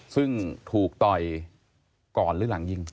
ซึ่งถูกต่อยก่อนหรือหลังยิง